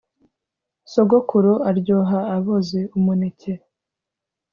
sogokuru aryoha aboze umuneke